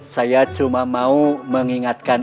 saya cuma mau mengingatkan